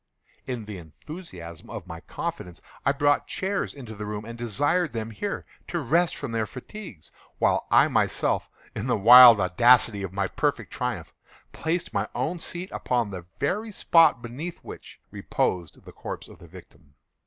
In the enthusiasm of my confidence, I brought chairs into the room, and desired them here to rest from their fatigues, while I myself, in the wild audacity of my perfect triumph, placed my own seat upon the very spot beneath which reposed the corpse of the victim.